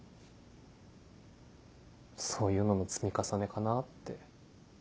そういうのの積み重ねかなって。